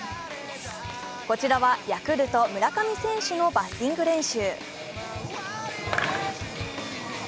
こちらはヤクルト・村上選手のバッティング練習。